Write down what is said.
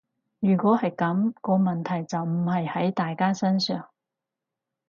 如果係噉，個問題就唔係喺大家身上